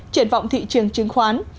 triển vọng thị trường chứng khoán